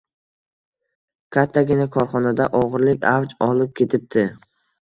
Kattagina korxonada o`g`irlik avj olib ketibdi